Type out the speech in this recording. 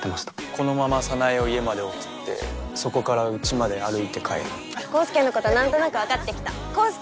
このまま早苗を家まで送ってそこからうちまで歩いて帰る康祐のことなんとなく分かってきた康祐